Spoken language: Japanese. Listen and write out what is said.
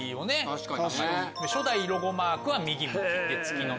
初代ロゴマークは右向き。